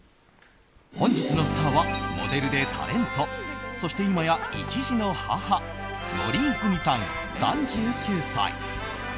本日のスターはモデルでタレントそして今や１児の母森泉さん、３９歳。